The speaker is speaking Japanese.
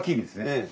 ええ。